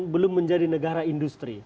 belum menjadi negara industri